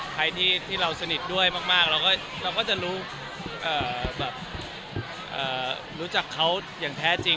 ใครที่เราสนิทด้วยมากเราก็จะรู้แบบรู้จักเขาอย่างแท้จริง